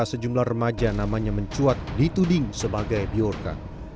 sejumlah remaja namanya mencuat dituding sebagai biorka